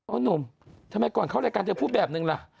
หนุ่มทำไมก่อนเข้ารายการเธอพูดแบบนึงล่ะ